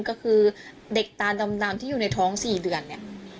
ก็คือเด็กตาดำที่อยู่ในท้อง๔เดือนเนี่ย